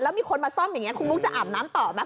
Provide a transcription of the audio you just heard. แล้วมีคนมาซ่อมอย่างนี้คุณมุกจะอาบน้ำต่อไหม